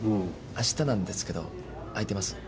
あしたなんですけど空いてます？